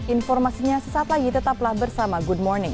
informasinya sesaat lagi tetaplah bersama good morning